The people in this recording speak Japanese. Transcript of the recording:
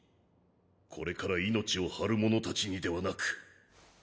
これから命を張る者達にではなく。